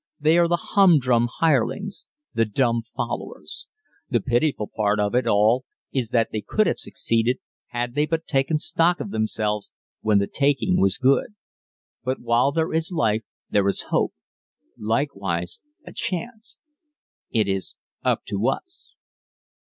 They are the humdrum hirelings the dumb followers. The pitiful part of it all is that they could have succeeded had they but taken stock of themselves when the taking was good. But while there is life there is hope likewise a chance. _It is up to us.